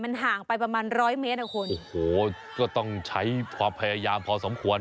มันห่างไปประมาณร้อยเมตรอ่ะคุณโอ้โหก็ต้องใช้ความพยายามพอสมควร